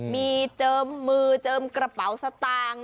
มีเจิมมือเจิมกระเป๋าสตางค์